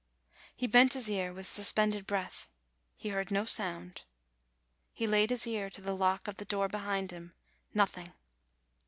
He bent his ear, with suspended breath. He heard no sound. He laid his ear to the lock of the door behind him noth ing.